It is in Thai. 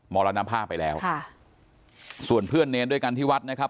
มรณภาพไปแล้วค่ะส่วนเพื่อนเนรด้วยกันที่วัดนะครับ